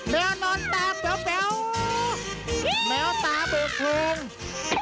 แมวนอนตาแป๋วแมวตาเบอร์โทง